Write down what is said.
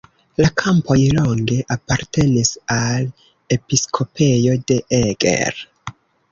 La kampoj longe apartenis al episkopejo de Eger.